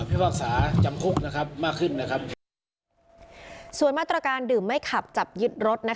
พิพากษาจำคุกมากขึ้นนะครับส่วนมาตรการดื่มไม่ขับจับยึดรถนะคะ